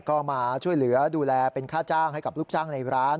ก็มาช่วยเหลือดูแลเป็นค่าจ้างให้กับลูกจ้างในร้าน